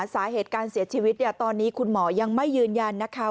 สาเหตุการเสียชีวิตตอนนี้คุณหมอยังไม่ยืนยันนะคะ